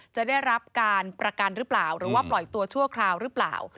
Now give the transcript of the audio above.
จะได้รับการประกันหรือเปล่าหรือว่าปล่อยตัวชั่วคราวหรือเปล่า